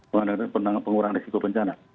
mengandalkan pengurangan risiko bencana